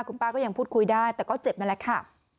คุณป้าก็ยังพูดคุยได้แต่ก็เจ็บนั่นแหละค่ะ